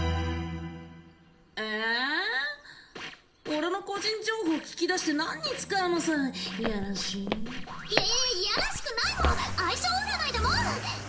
俺の個人情報聞き出して何に使うのさやらしややややらしくないもん相性占いだもん